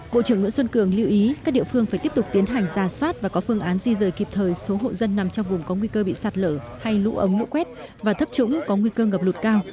bộ trưởng nguyễn xuân cường lưu ý các địa phương phải tiếp tục tiến hành ra soát và có phương án di rời kịp thời số hộ dân nằm trong vùng có nguy cơ bị sạt lở hay lũ ống mũ quét và thấp trũng có nguy cơ ngập lụt cao